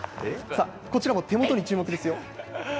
さあ、こちらも手元に注目ですよ。